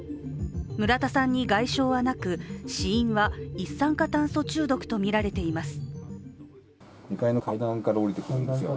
村田さんに外傷はなく死因は一酸化炭素中毒とみられています。